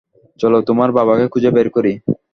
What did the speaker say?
চলো, তোমার বাবাকে খুঁজে বের করি।